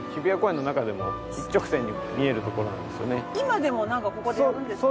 今でもなんかここでやるんですか？